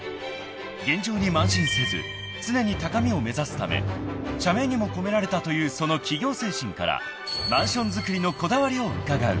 ［現状に慢心せず常に高みを目指すため社名にも込められたというその企業精神からマンションづくりのこだわりを伺う］